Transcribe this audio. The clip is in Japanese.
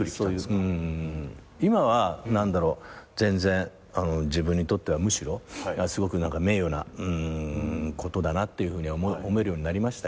今は全然自分にとってはむしろすごく名誉なことだなって思えるようになりましたけど。